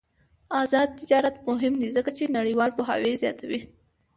آزاد تجارت مهم دی ځکه چې نړیوال پوهاوی زیاتوي.